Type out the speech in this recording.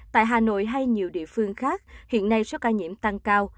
tại hà nội hay nhiều địa phương khác hiện nay số ca nhiễm tăng cao